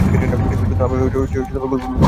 কিন্তু আমি গোলমাল করতেই আছি।